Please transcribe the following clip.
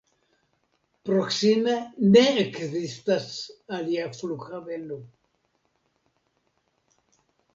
Proksime ne ekzistas alia flughaveno.